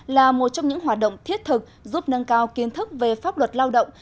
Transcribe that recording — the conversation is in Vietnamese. là một trong những hoạt động thiết thực giúp nâng cao kiến thức về pháp luật lao động